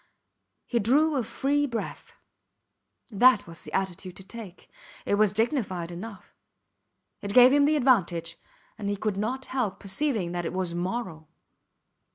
He drew a free breath. That was the attitude to take; it was dignified enough; it gave him the advantage, and he could not help perceiving that it was moral.